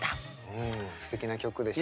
うんすてきな曲でした。